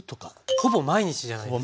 ほぼ毎日じゃないですか。